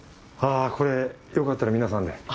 あこれよかったら皆さんで。